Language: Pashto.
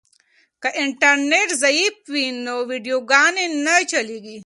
که انټرنیټ ضعیف وي نو ویډیوګانې نه چلیږي.